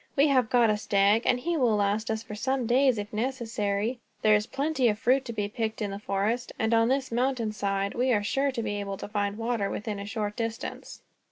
"We have got a stag, and he will last us for some days, if necessary. There is plenty of fruit to be picked in the forest, and on this mountain side we are sure to be able to find water, within a short distance."